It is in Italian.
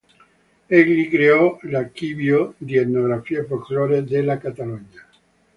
Egli creò l"'Archivio di Etnografia e Folklore della Catalogna".